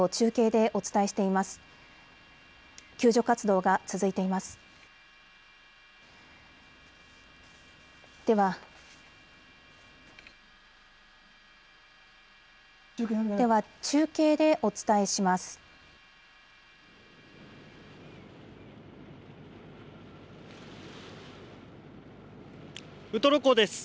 では中継でお伝えします。